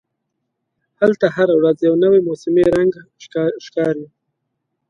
هلته هره ورځ یو نوی موسمي رنګ ښکاري.